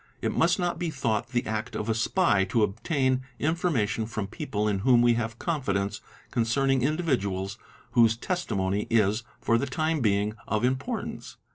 It must not be thought the act of a spy to obtain information from people in whom we have confidence concerning individuals whose testimony is for the time being of importance.